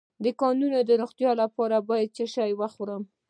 د نوکانو د روغتیا لپاره باید څه شی وخورم؟